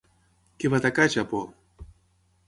Què va atacar Japó?